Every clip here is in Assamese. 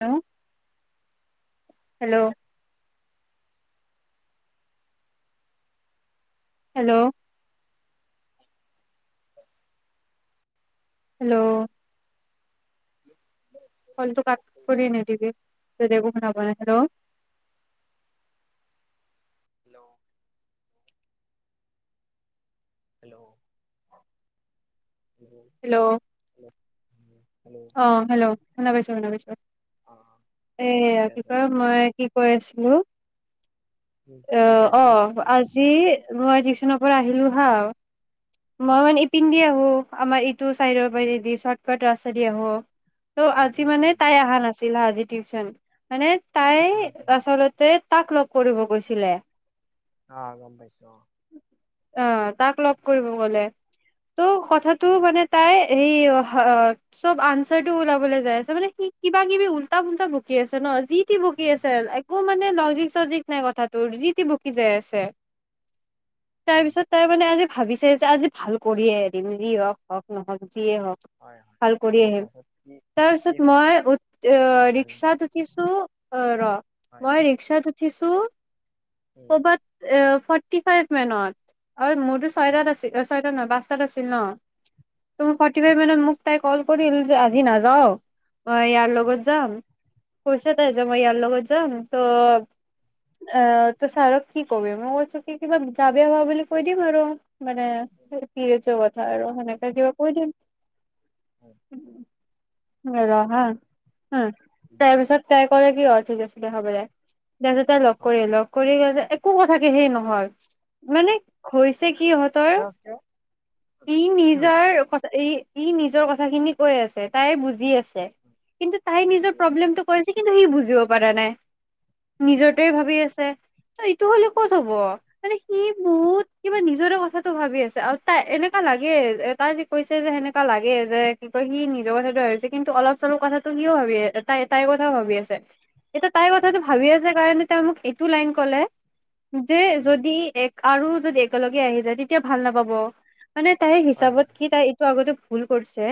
হেল্ল হেল্ল' হেল্ল' হেল্ল' কলটো কাত কৰি নিদিবি ত শু নাই হেল্ল হেল্ল' হেল্ল' হেল্ল' উম হেল্ল' অ হেল্ল নমস্কাৰ হেল্ল অ নমস্কাৰ এ ঠিকে আছে দে ৰাতিপুৱা মই কি কৈ আছিলো। উম, কি অ', কৈছিলি অ', আজি মই দিশ নৰ পৰা আহিলো হা। অ মই মানে এই পিন্ধি আহোঁ। আমাৰ ইটো চাইডৰ উম বাৰি দি চৰ্টকাট ৰাস্তা দি আহোঁ। ত' আজি উম মানে উম তাই অহা নাছিল। তিলা আজি টউশন হয়নে। তাই উম উম আচলতে তাক লগ কৰিব গৈছে। ছিলে অ গম পাইছো অ আহ তাক লগ কৰিব গ'লে ত' কথাতটো উম মানে তাই এই চব আনচাৰ টো ওলাবলৈ যাই আছে মানে সি কিবা কিবি উল্টা ফুল্টা বুকি আছে ন' যি বকি উম আছিল একো মানে মানে লজিক চজিক নাই কথা। তোৰ যিতি বকি যাই আছে। উম তাৰপিছত তাৰ মানে আজি। ভাবিছে যে আজি ভাল কৰিয়ে এৰিম যি হওঁক হওঁক নহওঁক। যিয়ে হওঁক হয় হয় ভাল কৰি তাৰপিছত আহিম তাৰপিছত কি কি তাৰপিছত মই উ আহ অনুসন্ধান ৰিক্সাত উঠিছো। অ', ৰ'। হয় মই ৰিক্সা। থিচো উম ক'বাত অ', ফৰ ফটি ফাইভ মানত। অ', মোৰতো উম ছয়টাত আছিলে ছয় তই নাবাস্তাত আছিল ন'। ত' ফটি ফাইব মানত মোক তাই ক'ল কৰিল যে আজি নাযাও। অ', ইয়াৰ উম লগত যাম। কৈছে তাই যে উম ইয়াৰ লগত যাম। তো অ', ত ছাৰক কি কবি মই কৈছো কি কিবা গা বেয়া হোৱা বুলি কৈ দিম আৰু। মানে উম ফছে কথা আৰু আকৌ সনেকা দে। যিবা কৈ দম। উম উ ৰহা উম উম তাৰপিছত তাই কৰে কি অৰ্থ হৈ আছিলে হব দে। তাৰ লগ হয় কৰি লঅ কৰি গলে একো কথাকে সেই নহয় মানে হৈছে কি? সিহঁতৰ কিয় কিয় উম, ইহ কি হৈছে নিজৰ কথা ইহ সি নিজৰ কথা খিনি কৈ আছে তাই বুজি আছে উম, কিন্তু তাই নিজৰ বুজি আছো প্ৰব্লেম টো কয় যে কিন্তু সি বুজিব পাৰা নাই নিজৰ অ অ তহ এইটো হলে ক'ত হব, মানে সি বহুত কিবা নিজৰে কথাটো ভাবি আছে আৰু তাই এনেকা লাগে তাই যে কৈছে যে সেনেকা লাগে যে কি কয় সি নিজৰ কথাটো ভাবিছে কিন্তু অলপ চলপ কথাটো সিও ভাবি আছে তাই তাইৰ কথাও ভাবি আছে। এতিয়া তাইৰ উম কথাটো ভাবি আছে কাৰণে মোক এইটো লাইন কলে যে উম যদি এক আৰু যদি একেলগে আহি যায় তেতিয়া ভাল নাপাব। মানে তাইৰ হয় হিচাপত হয় কি তাই এইটো আগতে ভুল কৰিছে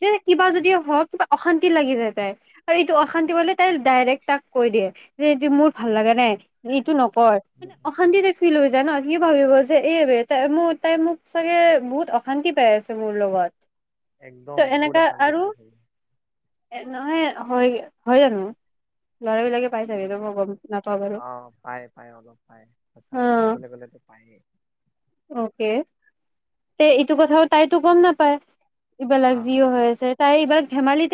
যে কিবা যদি উম হওক কিবা অশান্তি লাগি যায় তাই আৰু এইটো অশান্তি পালে তাই ডাইৰেক্ট তাক কৈ দিয়ে যে এইটো মোৰ ভাল লাগা নাই এইটো নকৰ উম মানে উম উম অশান্তিতে ফিল হৈ যায় ন সি ভাবিব যে এহ বে তাই তাই মোক চাগে বহুত অশান্তি পাই আছে মোৰ লগত একদম তহ বহুত এনেকা অশান্তি আৰু পাইছিলো এ নহয় হয় হয় জানো ল'ৰাবিলাকে পাই চাগে উম এতিয়া মই গম নাপাও বাৰু, অ', পায় পায় অলপ পায় সঁচা কথা অহ ক'বলৈ গ'লেতো পায়েই অকে তেহ এইটো কথা তাইতো গম নাপ পায় এইবিলাক যিও হৈ আছে তাই এইবাৰ ধেমালিত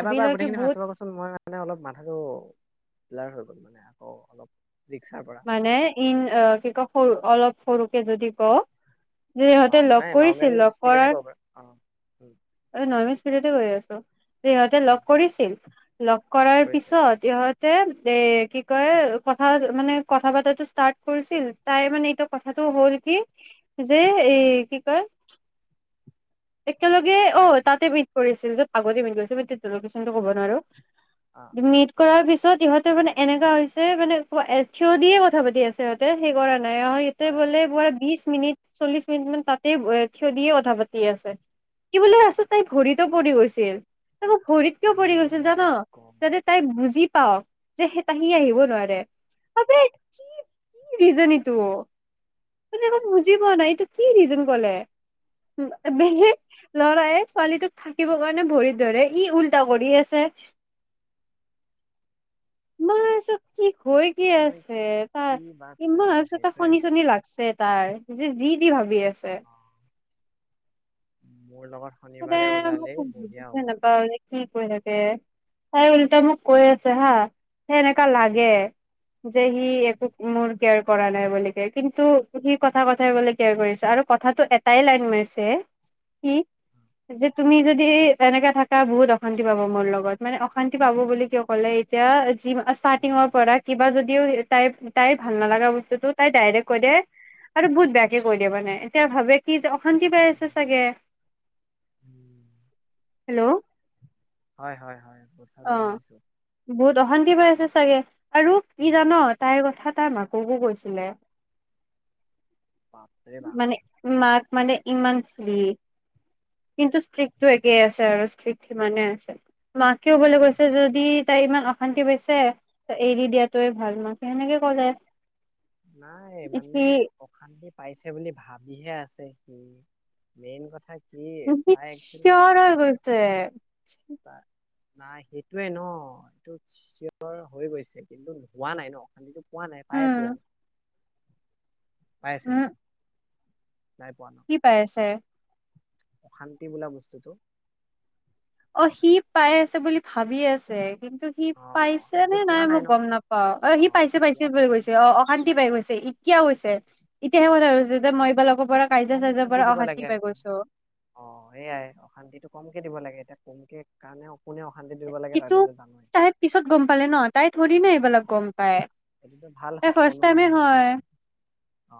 এবাৰবাৰ গোটেইখিনি সচাকে কচোন মই মানে অলপ মাথাটো ব্লাৰ হৈ গ'ল মানে আকৌ অলপ ৰিক্সাৰ পৰা মানে ইন অহ অলপ সৰু অলপ সৰু যদি ক অহ নাই নৰ্মে স্পিড কব পাৰ অহ অহ নৰ্মেল স্পিদতে কৈ আছো, সিহঁতে উম, লগ কৰিছিল লগ কৰাৰ কৰিছে পিছত ইহঁত এ কি কয় কথা মানে কথা পাতোটে ষ্টাৰ্ট কৰিছিল তাই মানে এইটো কথাটো হ'ল কি যে উম, এই কি কয় একেলগ অ হয় তাতে ম কৰিছিল য'ত আগতে মিলি গৈছিলো কুয়েচন টো ক'ব অ', নোৱাৰো অ', এনেকোৱা ইহঁতে মানে এনেকা হৈছে মানে থিয় দিয়ে কথা পাতি আছে ইহঁতে সেইকাৰণে অ ইয়াতে হয় হয়, বোলে পোৰা অ', বিশ মিনিট চল্লিশ মিনিট মান তাতেই থিয় দিয়ে কথা পাতি আছে কি বুলো আছো তাই ভৰিতো পৰি গৈছিল ত মোৰ ভৰিত কিয় পৰি মোৰ গৈছিল মানে জানা গম যাতে তাই বুজি পাও যে তাহি আহিব নোৱাৰে কি কি ৰিজন ইটো ম একৌ বুজি পোৱা নাইটো কি ৰিজন কলে বেলেগ লৰায় ছোৱালীটোক থাকিবৰ কাৰণে ভৰিত ধৰে ই উল্টা কৰি আছে মছ কি হৈ কি এতিয়া মই আছে কি তাৰ বা কম ইমান ভিছ তাৰ সেইটোৱে হনি মানে। চনি লাগছে তাৰ যে যি দি ভাবি আছে অ', মোৰ লগত ম শনিবাৰে ওলালেই মই বঢ়িয়া বুজিছে হ'ব নাপাওঁ কি কৰি থাকে হয়াই উলটা মোক কৈ আছে হা সেনেকা উম, লাগে যে সি একো উম, মোৰ কেয়াৰ কৰা নাই বুলি ক কিন্তু সি কথা কথাই বুলি কেয়াৰ কৰিছে আৰু কথাাতটো এটাই লাইন মাৰছে সি যে তুমি যদি এনেকাে থাকা বহুত অশান্তি পাব মোৰ লগত মানে অশান্তি পাব বুলি কিয় ক'লে এতিয়া ষ্টাৰ্টিঙৰ উম, পৰা কিবা যদিও তাই তাইৰ ভাল নালাগা বস্তুতটো তাই ডাইৰেক্ট কৈ দিয় আৰু বহুত বেয়াকে কৈ দিয়ে মানে এতিয়া ভাবে কি যে অশান্তি পাই উম, আছে চাগে উম হেল্ল' হয় হয় হয় কথাটো অ বুজিছো বহুত অশান্তি পাই আছে চাগে আৰু কি উম, জান তাইৰ কথা এটা মাপ মোকো কৈছিলে বাপৰে বাপ মানে মাক মানে ইমান চুলি কিন্তু ষ্ট্ৰিক্টো একেই আছে আৰু ষ্ট্ৰিক্ সিমানে আছে মা কিয় বলৈ কৈছে যদি তাই ইমান অশান্তি পাইছে তই এৰি দিয়াতোৱে ভাল মাক সেনেকে ক'লে নাই সি মানে অশান্তি পাইছে বুলি ভাবিহে আছে কি মেইন কথা কি তাই একচুৱেলি চিঞৰ হৈ গৈছে নাই সেইটোৱে ন এইটো চিঞৰ হৈ গৈছে কিন্তু হোৱা নাই ন অশান্তিতটো পোৱা নাই পাই আছে উম জানো পায় আছে উম নাই পোৱা ন কি পাই আছে। অশান্তি বোলা বস্তুটো। অ সি পাই আছে বুলি ভাবি আছে। কিন্তু সি অ পাইছে নে সেইটোতো নাই পোৱা মোক ন গম নাপাও অ সি পাইছে পাইছে পোৱাতো বুলি নাই গৈছে অ অশান্তি পাই গৈছে। এতিয়াও হৈছে অ, এতিয়াাহে কথা হৈছে যেতি মই এইবাৰক কম অশান্তি দিব লাগে আ অ সয়াই অশান্তিটো কমকে দিব লাগে এতিয়া তেনেকে কাৰণেও ইটো তাই পিছত গম পালে ন তাই থৰি না এইবিলাক গম পায় এইটোতো ভাল তাই হ- ফাষ্ট টাইমে অনুসন্ধান ন এটা। হয়। অ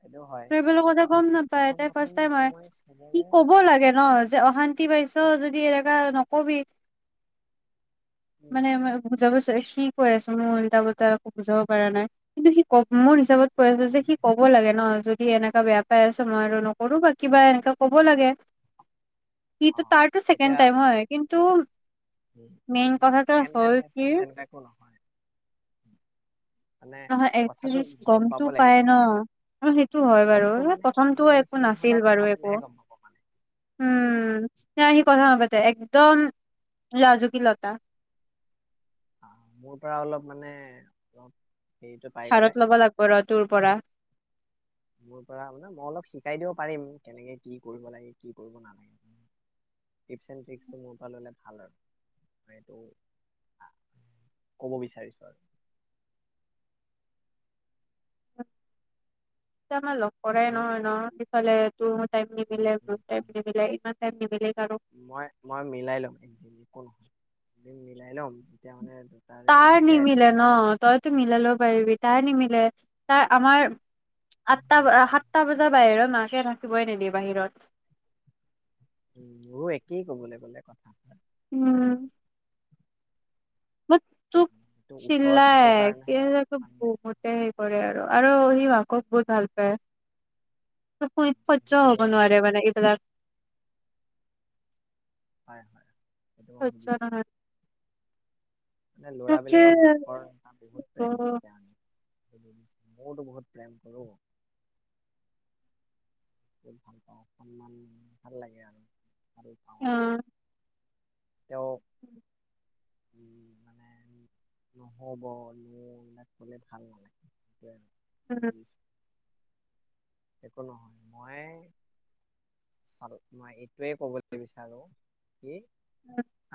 সেইটো হয়। ত এইবিলাক কথা গম নাপায় প্ৰথম তাই প্ৰথম ফাষ্ট টাইম হয় সময় কি চবৰে ক'ব লাগে ন যে অশান্তি পাইচো। যদি এনেকুৱা নকবি উম মানে মই বুজাব চাৰ সি কৈ আছো মোৰ উল্টা-পুল্টা একো বুজাব পৰা নাই কিন্তু সি ক মোৰ হিচাপত কৈ আছো যে গম সি পাইছো ক'ব লাগে ন, যদি কি এনেকা বেয়া পাই আছো মই আৰু নকৰো বা কিবা এনেকা ক'ব লাগে। সি অ তাৰ-তাৰটো ছেকেণ্ড টাইম হয়। কিন্তু তু উম-উম, নাই চেকেন টাইম, ফাষ্ট কি টাইম তেনেযে একো নহয়। উম, নহয় এটলিষ্ট গমতটো পাব পাই লাগিব ন সেইটো হয় বাৰু গমটো মানে মোৰ প্ৰথমটোও একো নিচিনা মানুহৰ নাছিল লগত বাৰু কথা একো, পাতিলেহে গম পাব মানে উম, ন সি কথা নাপাতে একদম লাজুকী লতা। আহ, মোৰ পৰা অলপ মানে অলপ হেৰিটো পাই গ'লে ধাৰত ল'ব লাগিব ৰ তোৰ পৰা। মোৰ পৰা মানে মই অলপ শিকাই দিব পাৰিম কেনেকে কি কৰিব লাগে কি কৰিব নালাগে টিপছ এণ্ ট্ৰিকটো মোৰ পৰা ললে ভাল আৰু ম এইটো কব বিচাৰিছো আৰু। তম লগ কৰেই নয়-নয়। থলে। উ-উ, ইমান টাইম নিমিলে কাৰো। মই-মই, মিলাই লম একদিন একো নহয়। মিলাই লম। যেতিয়া মানে দুটাৰে তাই মিলে নিমিলে তেতিয়া ন তইতো মিল লও হয় পাৰিবি তাই নিমিলে। তাৰ আমাৰ আঠটা, সাতটা বজাৰ বাহিৰত মাকে থাকিবই নিদিয়ে বাহিৰত। উম', মোৰো একেই কবলৈ গ'লে কথা। হয়নে উম', নহয় টো [unintelligible] ওচৰত থাকো আৰু কাৰণেহে মানে সি, মাকক বহুত ভাল সেইটোতো মইও পায়। ভাল [unintelligible] হয়-হয়। [unintelligible] মানে ল'ৰা-বিলাকৰ তাকে মাকৰ এটা বহুত অ', প্ৰেম অ', থাকে আমি। ময়তো বহুত প্ৰেম কৰো। বহুত ভাল পাওঁ, অকনমান ভাল লাগে আৰু, ভাল পাওঁ আৰু। উম, তেওঁ, উম', -মানে নহব ন ', এইবিলাক কলে ভাল নালাগে সেইটোয়ে উম, আৰু, [unintelligible] একো নহয়। মই চা, '-মই এইটোৱে কবলৈ বিচাৰো কি?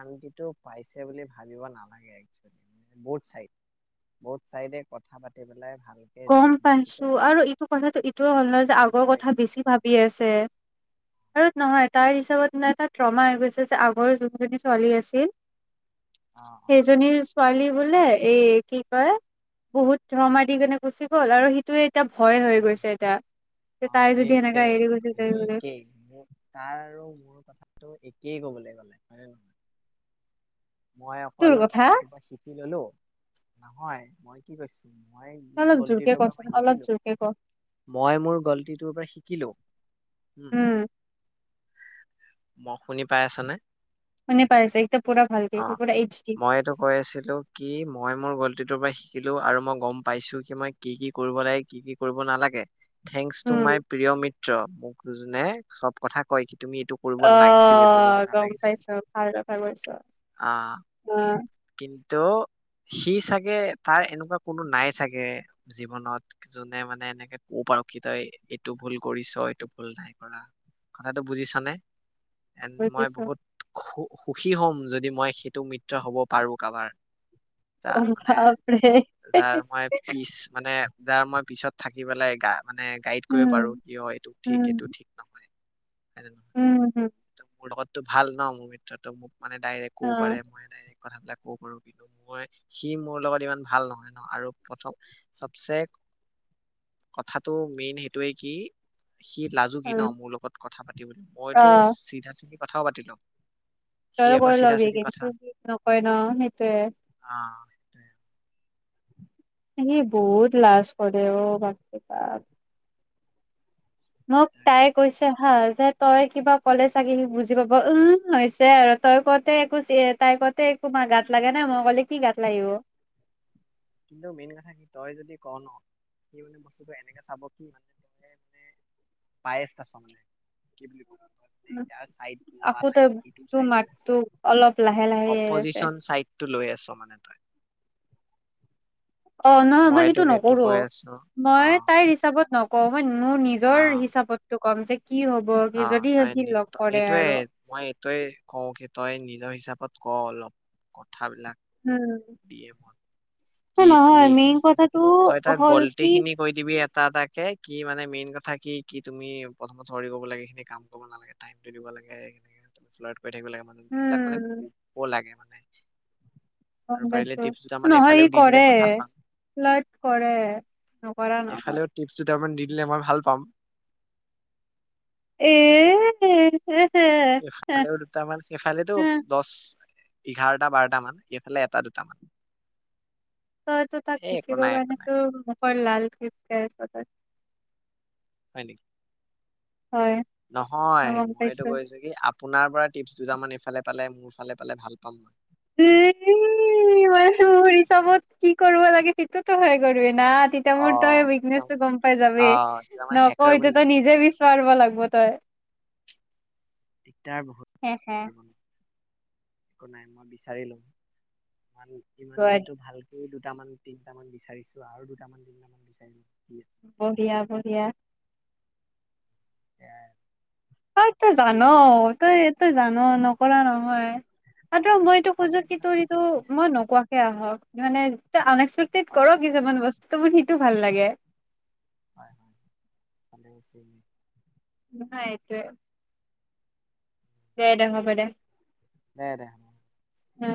আৰু যিটো, পাইছে বুলি ভাবিব নালাগে এক্সুৱেলি বথ চাইড, বথ চাইডে কথা পাতি পেলাই, ভালকে গ'ম বস্তুটো পাইছো আৰু এইটো কথাটো ইটোয় হ'ল- নহয় যে, আগৰ বিচাৰি কথা, পাব বেছি লাগে ভাবি আছে? আৰু নহয় তাইৰ হিচাপতে এটা ট্ৰমা হৈ গৈছে যে, আগৰ যোনজনী ছোৱালী আছিল, অ অ সেইজনীৰ ছোৱালী, - বোলে এই ', কি কয় বহুত ধৰ্মা দি কেনে, গুচি গ'ল আৰু সেইটোৱে এতিয়া ভয় হৈ গৈছে এতিয়া। যে তাই অ', যদি এই সেনেকা চেম এৰি গুচি যায় হেই ', বুলি একে ', মোক তাৰ আৰু মোৰ কথা, ত', একয়েই কবলৈ গ'লে হয়নে নহয়? মই, তোৰ অকল কথা এইটো পা শিকি ললো। নহয়, মই কি কৈছো? মই তই মোৰ অলপ জোৰকে গলতিটোৰ পৰা কচোন মই অলপ শিকিলো, জোৰকে ক মই মোৰ গলতিটোৰ পৰা শিকিলো। উম', ম, শুনি পাই আছ নে? মনে পাইচ এতি, অ', মই, এইটো কৈ আছিলো কি মই মোৰ গল, -তিটোৰ পৰাই শিকিলো আৰু মই গম পাইছো কি মই কি -কি কৰিব লাগে, কি- কি কৰিব নালাগে। থেংকস টু উম মাই প্ৰিয় মিত্ৰ। মোকনে চব কথা কয় কি তুমি এইটো কৰিব নালাগিছিল এইটো কৰিব অ', গম পাইছো ভাল কথা কৈছ। অ'। অ কিন্তু সি চাগে তাৰ এনেকুৱা কোনো নাই চাগে জীৱনত যোনে মানে এনেকে ক'ব পাৰিব কি তই এইটো ভুল কৰিছ এইটো ভুল নাই কৰা কথাটো বুজিছ' নে? এন মই বুজিছো। বহুত খু সুখী হ'ম যদি মই সেইটো মিত্ৰ হ'ব পাৰোঁ কাবাৰ। অ তাৰ মানে বাপৰে। যাৰ মই পিচ মানে যাৰ মই পিছত থাকি পেলাই গা মানে গাইড কৰিব পাৰোঁ উম কিয় এইটো ঠিক উম এইটো ঠিক নহয়। মানে নহয় উম হম মোৰ লগত টো ভাল ন' মোৰ মিত্ৰটো মোক মানে ডাইৰেক্ অ ক'ব পাৰে মই ডাইৰেক্। কথাবিলাক ক'ব পাৰোঁ কিন্তু মই সি মোৰ লগত ইমান ভাল নহয় ন' আৰু প্ৰথম চবচে কথাটো মেইন সেইটোৱেই কি সি অ লাজুকী ন' মোৰ লগত কথা পাতিবলৈ মইতো চিধা চিধি কথাও পাতি লওঁ। তই কয়‌ লবি কিন্তু সি নকৰে। ন' সেইটোৱে। অ', সেইটোৱে। সি বহুত লাজ কৰে অ', বাপৰে বাপ। মোক সেইটোৱে তাই কৈছে। ভাল যে তই কিবা ক'লে চাগে সি বুজি পাব উ হৈছে আৰু তই কওঁতে একো তাই কওঁতে একো মাত গাত লগা নাই মই ক'লে কি গাত লাগিব। কিন্তু মেইন কথা কি তই যদি ক' ন' সি মানে বস্তুটো এনেকে চাব কি মানে তই মানে পায় আছ মানে কি বুলি ক উম, আকৌ তই তোৰ মাতটো অলপ লাহে লাহে আহি আছে। অপজিচন চাইটো লৈ আছো। মানে তই। অ', নহয় মই সেইটো তোক এইটো নকৰো কৈ আছো অ মই তাইৰ হিচাপত নক ক' হয়ন মোৰ অ নিজৰ হিচাপতো কম যে কি হ'ব কি অ', যদি তই সি লগ কৰে এইটোয়ে আৰু মই এইটোয়ে কওঁ কি তই নিজৰ হিচাপত ক' অলপ কথাবিলাক। উম। দিয়ে মত কি তুমি নহয় মেইন এইখিনি খিনি কথাটো তই তাৰ হ'ল গল্টি কি খিনি কৈ দিবি এটা এটাকে কি মানে মেইন কথা কি কি তুমি প্ৰথমত চৰি ক'ব লাগে সেইখিনি কাম কৰিব নালাগে টাইম টো দিব লাগে কৈ থাকিব লাগে মানে এইবিলাক মানে উম ক'ব লাগে মানে আৰু পাৰিলে টিপছ দুটা মান অ সি কৰে ফালাৰত কৰে নকৰা নহয় এফালেও টিপছ দুটামান দি দিলে মই ভাল পাম এএ এ সেইফালেও দুটামান সেইফালেতো দশ এঘাৰটা বাৰটা মান এইফালে এটা দুটামান তই টো তাক এ একো টিচিব নাই একো কাৰণে নাই তো প লাল ক্লিপ কেছ হয় নেকি নহয় গম মই এইটো পাইছো। কৈছো কি আপোনাৰ পৰা টিপ দুটামান এইফালে পালে মোৰ ফালে পালে ভাল পাম মই উম মান চবত কি কৰিব লাগে সেইটো তো ভয় কৰিব না তেতিয়া অ মোৰ তই তেতিয়া উইকনেচ টো মই গম পাই যাবি অ তেতিয়া মই নকওঁ হেকাৰ বনি এতিয়া তই যাম ন নিজে বিচাৰিব লাগ ব তই দিগদাৰ বহুত হে হে জীৱনত একো নাই মই বিচাৰি লম ইমান গুড দিনটো ভাল এই দুটামান তিনিটামান বিচাৰিছো আৰু দুটামান তিনটামান বিচাৰি বঢ়িয়া বঢ়িয়া অ তই বাকী জান মই তই এইটোই জান ন কৰা নহয় আৰু অ' মই এইটো বিকা খোজো বুলি কি কথাটো তোৰ মই ইটো শিকিছো মই নোকোৱাকে আহক মানে আন এক্সপেক্টেড কৰক অ' কিছুমান বস্তু তোমাৰ সিটো ভাল লাগে হয় হয় ভালে হৈছিল নাই এইটোয়ে দে দে হ'ব দে দে দে উম